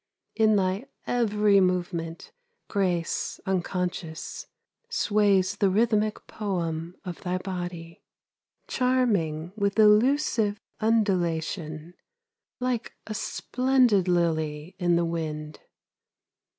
In thy every movement grace unconscious Sways the rhythmic poem of thy body, Charming with elusive undulation Like a splendid lily in the wind.